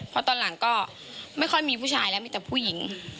เพราะตอนหลังก็ไม่ค่อยมีผู้ชายแล้วมีแต่ผู้หญิง